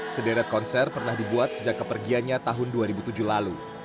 sederet konser pernah dibuat sejak kepergiannya tahun dua ribu tujuh lalu